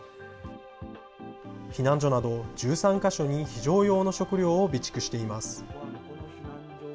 避難所など、１３か所に非常用の食料を備蓄しています。